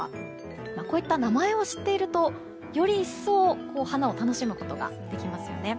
こういった名前を知っているとより一層、花を楽しむことができますよね。